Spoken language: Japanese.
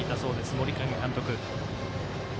森影監督。